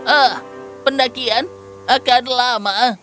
ah pendakian akan lama